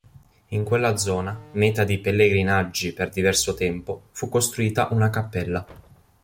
In quella zona, meta di pellegrinaggi per diverso tempo, fu costruita una cappella.